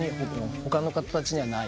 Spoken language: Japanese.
他の方たちにはない。